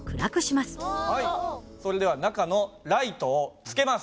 それでは中のライトをつけます。